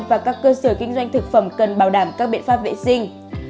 và các cơ sở kinh doanh thực phẩm cần bảo đảm các biện pháp vệ sinh